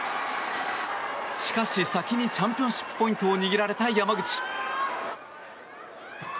しかし、先にチャンピオンシップポイントを握られた山口。